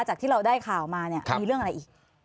จากที่เราได้ข่าวมาเนี่ยมีเรื่องอะไรอีก